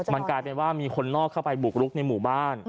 มันกลายเป็นว่ามีคนนอกเข้าไปบุกรุกในหมู่บ้าน